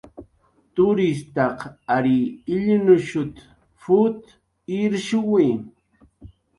"Tutirtaq ary illnushut"" p""ut irshuwi"